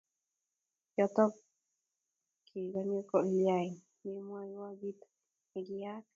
yotokol kikonye, kolyain memwoiwo kiit nekiyaak?